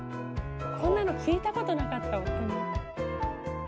こんなの聞いたことなかった夫に。